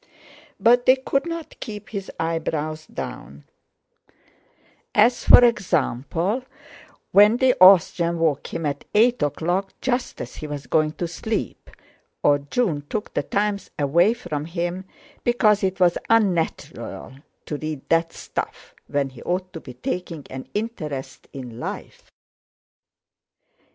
But they could not keep his eyebrows down; as, for example, when the Austrian woke him at eight o'clock just as he was going to sleep, or June took The Times away from him, because it was unnatural to read "that stuff" when he ought to be taking an interest in "life."